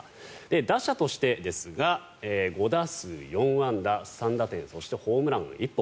打者としてですが５打数４安打３打点そして、ホームランが１本。